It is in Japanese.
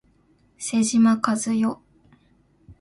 妹島和世